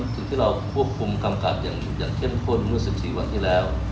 สิ่งที่เราควบคุมกำกับอย่างเข้มข้นเมื่อ๑๔วันที่แล้ว